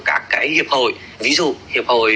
các cái hiệp hội ví dụ hiệp hội